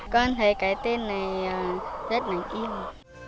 con thấy cái tên này rất là yêu